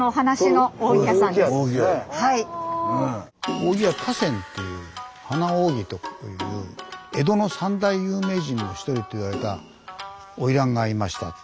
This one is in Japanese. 扇屋花扇っていう江戸の三大有名人の１人といわれた花魁がいました。